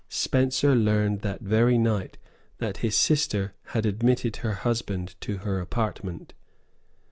Spencer learned that very night that his sister had admitted her husband to her apartment.